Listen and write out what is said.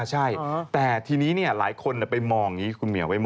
อ่ะใช่แต่ทีนี้เนี่ยหลายคนไปมองอย่างนี้คุณเหมียว